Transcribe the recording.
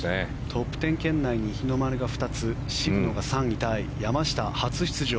トップ１０圏内に日の丸が２つ渋野が３位タイ山下、初出場